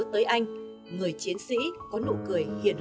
tới anh người chiến sĩ có nụ cười hiền hậu luôn hết lòng với nhân dân